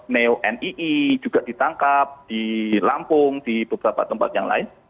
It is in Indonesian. neo nii juga ditangkap di lampung di beberapa tempat yang lain